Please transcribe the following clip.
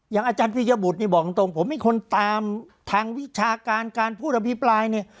อย่างอาจารย์ปริยบุตรนี่บอกตรงผมเป็นคนตามทางวิชาการการพูดอภิปรายเนี่ย